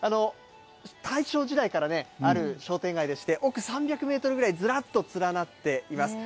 大正時代からある商店街でして、奥３００メートルぐらいずらっと連なっています。